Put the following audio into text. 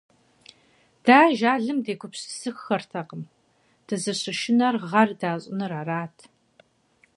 Дэ ажалым дегупсысыххэртэкъым, дызыщышынэр гъэр дащӀыныр арат.